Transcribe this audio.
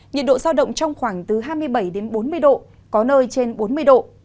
nhiệt độ giao động trong khoảng từ hai mươi bảy đến bốn mươi độ có nơi trên bốn mươi độ